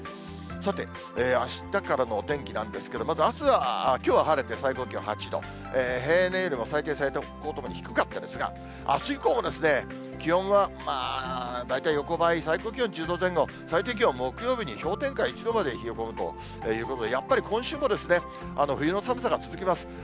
さて、あしたからのお天気なんですけれども、まずきょうは晴れて、最高気温８度、平年よりも最低、最高ともに低かったですが、あす以降もですね、気温はまあ、大体横ばい、最高気温１０度前後、最低気温、木曜日に氷点下１度まで冷え込むということで、やっぱり今週も冬の寒さが続きます。